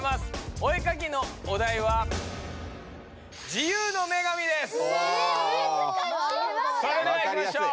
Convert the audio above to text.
お絵かきのお題はそれではいきましょう。